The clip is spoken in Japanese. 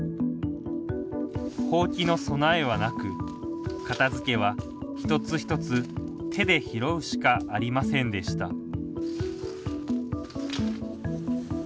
ほうきの備えはなく片づけは一つ一つ手で拾うしかありませんでした